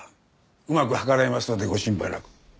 うまく計らいますのでご心配なく。